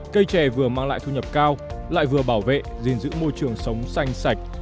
cây trẻ vừa mang lại thu nhập cao lại vừa bảo vệ giữ môi trường sống xanh sạch